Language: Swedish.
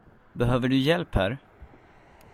Behöver du hjälp här?